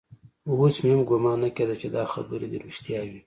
اوس مې هم ګومان نه کېده چې دا خبرې دې رښتيا وي.